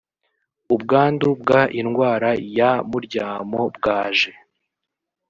ubwandu bw indwara ya muryamo bwaje